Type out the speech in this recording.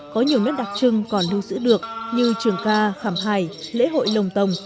có nhiều nét đặc trưng còn lưu giữ được như trường ca khảm hài lễ hội lồng tồng